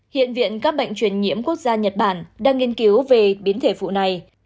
hiện viện các bệnh truyền nhiễm quốc gia nhật bản đang nghiên cứu về biến thể phụ này